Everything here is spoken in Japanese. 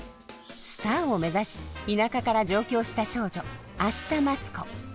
スターを目指し田舎から上京した少女明日待子。